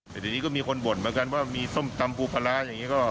เดี๋ยวนี้ก็มีคนบ่นมากันว่ามีส้มตำปูพลาร้าอย่างนี้ก็